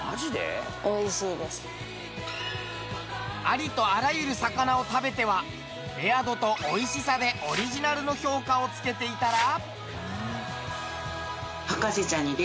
ありとあらゆる魚を食べてはレア度とおいしさでオリジナルの評価を付けていたら。